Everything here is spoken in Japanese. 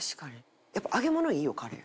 やっぱ揚げ物いいよカレー。